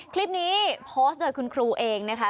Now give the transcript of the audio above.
คลิปนี้โพสต์โดยคุณครูเองนะคะ